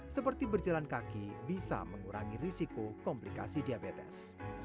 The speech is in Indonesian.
seperti berjalan kaki bisa mengurangi risiko komplikasi diabetes